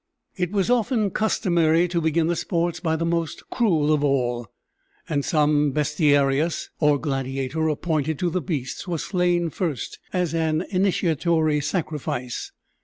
It was often customary to begin the sports by the most cruel of all; and some bestiarius, or gladiator appointed to the beasts, was slain first as an initiatory sacrifice.